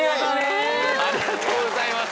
ありがとうございます。